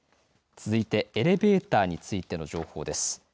続いてエレベーターについての情報です。